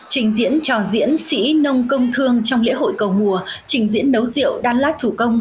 trình diễn trò diễn sĩ nông công thương trong lễ hội cầu mùa trình diễn nấu rượu đan lát thủ công